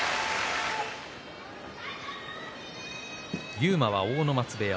勇磨は阿武松部屋